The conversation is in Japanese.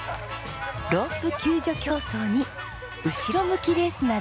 ロープ救助競争に後ろ向きレースなど。